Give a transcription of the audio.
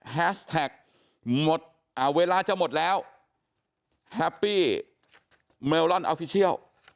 แฮสแท็กหมดอ่าเวลาจะหมดแล้วแฮปปี้เมลลอนออฟฟิเชียล